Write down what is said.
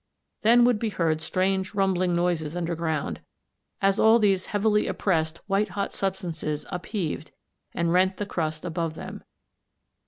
Then would be heard strange rumbling noises underground, as all these heavily oppressed white hot substances upheaved and rent the crust above them.